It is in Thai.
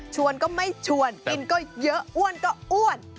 ก็ไม่ชวนกินก็เยอะอ้วนก็อ้วน